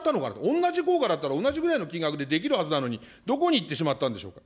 同じ効果だったら、同じぐらいの金額でできるはずなのに、どこに行ってしまったんでしょうか。